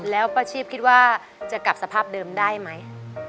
แล้วป้าชีพคิดว่าจะกลับสภาพเดิมได้ไหม